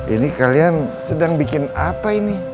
ini kalian sedang bikin apa ini